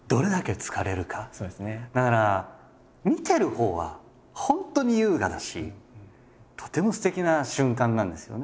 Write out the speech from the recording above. だから見てるほうは本当に優雅だしとてもすてきな瞬間なんですよね。